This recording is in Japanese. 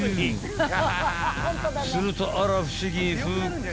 ［するとあら不思議復活］